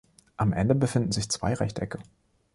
Am Ende befinden sich zwei Rechtecke.